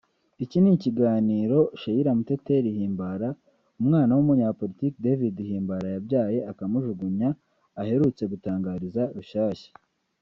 Iki ni ikiganiro Cheila Muteteri Himbara umwana w’umunyapolitiki David Himbara yabyaye akamujugunya aherutse gutangariza Rushyashya